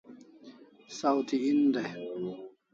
Saw thi en dai